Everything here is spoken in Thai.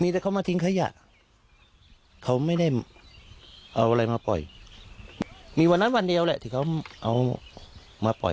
แต่เขามาทิ้งขยะเขาไม่ได้เอาอะไรมาปล่อยมีวันนั้นวันเดียวแหละที่เขาเอามาปล่อย